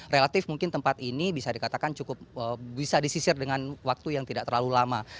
relatif mungkin tempat ini bisa dikatakan cukup bisa disisir dengan waktu yang tidak terlalu lama